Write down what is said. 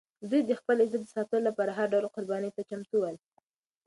دوی د خپل عزت د ساتلو لپاره هر ډول قربانۍ ته چمتو ول.